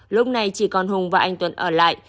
lúc này chỉ còn hùng và anh tuấn ở lại